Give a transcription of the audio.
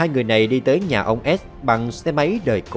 hai người này đi tới nhà ông s bằng xe máy đời cũ